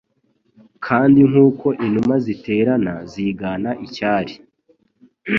Kandi nkuko inuma ziterana zigana icyari